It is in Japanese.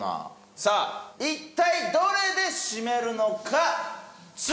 さあ一体どれで締めるのか？